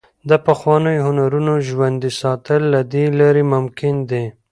د پخوانیو هنرونو ژوندي ساتل له دې لارې ممکن دي.